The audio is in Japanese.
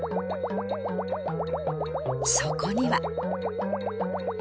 そこには